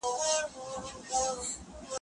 له کابله وړم ستا یو ګریوان عطرونه